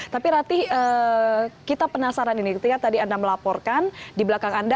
tapi ratih kita penasaran ini ketika tadi anda melaporkan di belakang anda